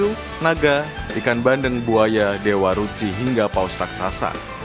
kandung naga ikan bandeng buaya dewa ruci hingga paus raksasa